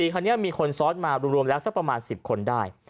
คันนี้มีคนซ้อนมารวมแล้วสักประมาณ๑๐คนได้